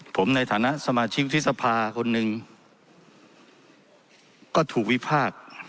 ผมในฐานะสมาชิกทฤษภาคนหนึ่งก็ถูกวิพากษ์